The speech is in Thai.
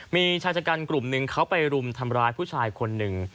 มีชายชะกันกลุ่มหนึ่งเขาไปรุมทำร้ายผู้ชายคนหนึ่ง